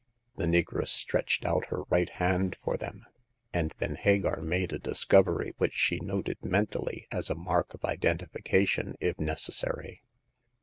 The negress stretched out her right haft^ for them ^* and then Hagar made a discovery which she noted mentally as a mark of identification if necessary.